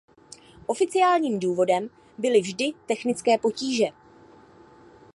Oficiálním důvodem byly vždy technické potíže.